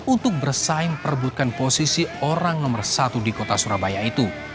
untuk bersaing perebutkan posisi orang nomor satu di kota surabaya itu